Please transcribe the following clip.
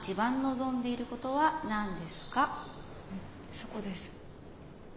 そこです。